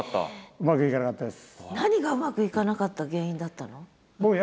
うまくいかなかったです。